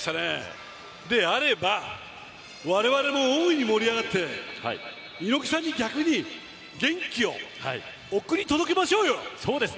であれば、我々も大いに盛り上がって猪木さんに、逆に元気を送り届けましょうよ。